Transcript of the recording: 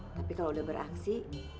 tapi kalo udah beraksi